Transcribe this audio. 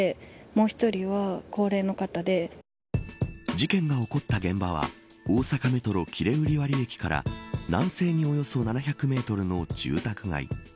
事件が起こった現場は大阪メトロ、喜連瓜破駅から南西におよそ７００メートルの住宅街。